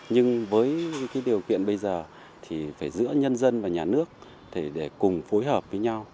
nhưng với điều kiện bây giờ thì phải giữa nhân dân và nhà nước để cùng phối hợp với nhau